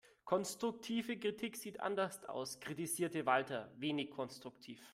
Konstruktive Kritik sieht anders aus, kritisierte Walter wenig konstruktiv.